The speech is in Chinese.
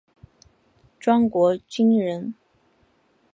庄国钧人。